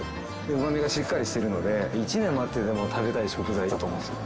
うまみがしっかりしてるので１年待ってでも食べたい食材だと思うんですよ。